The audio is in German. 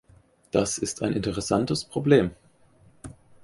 Das ist ein interessantes Problem.